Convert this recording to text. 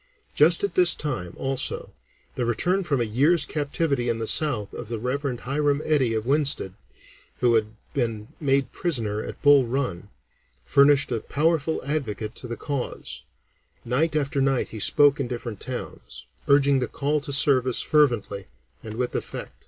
Just at this time, also, the return from a year's captivity in the South of the Rev. Hiram Eddy of Winsted, who had been made prisoner at Bull Run, furnished a powerful advocate to the cause; night after night he spoke in different towns, urging the call to service fervently and with effect.